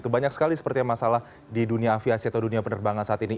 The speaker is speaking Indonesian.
banyak sekali seperti yang masalah di dunia aviasi atau dunia penerbangan saat ini